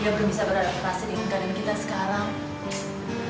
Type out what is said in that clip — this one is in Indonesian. dia belum bisa beradaptasi di kegiatan kita sekarang